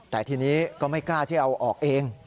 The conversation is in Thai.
แต่ทีนี้ก็ไม่กล้าที่เอาออกเอง